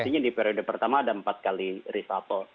artinya di periode pertama ada empat kali risapel